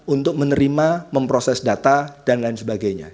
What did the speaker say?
untuk menerima memproses data dan lain sebagainya